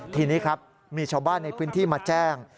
ทีนี้ครับมีชาวบ้านในพื้นที่มาแจ้ง